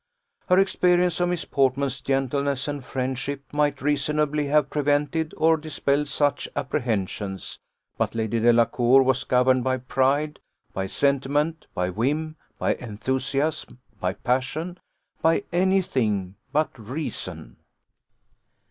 Her experience of Miss Portman's gentleness and friendship might reasonably have prevented or dispelled such apprehensions; but Lady Delacour was governed by pride, by sentiment, by whim, by enthusiasm, by passion by any thing but reason.